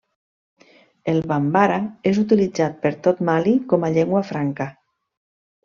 El bambara és utilitzat per tot Mali com a llengua franca.